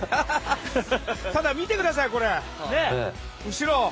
ただ見てください、後ろ。